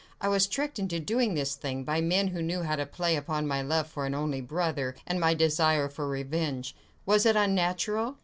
I was tricked into doing this thing, by men who knew how to play upon my love for an only brother, and my desire for revenge. Was it unnatural?"